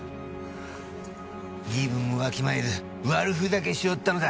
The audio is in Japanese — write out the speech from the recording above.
身分もわきまえず悪ふざけしおったのだ。